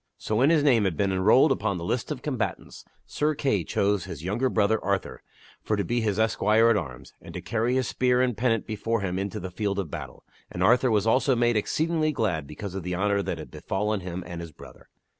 So, when his name had been enrolled upon the list of combatants, Sir Kay chose his young brother Arthur for to be his esquire at arms and to carry his spear and pennant before him into the field of battle, and Arthur was also made exceedingly glad because of the honor that had befallen him and his brother.